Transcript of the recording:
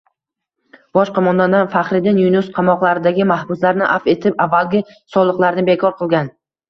Bosh qo‘mondon Faxriddin Yunus qamoqlardagi mahbuslarni afv etib, avvalgi soliqlarni bekor qilgan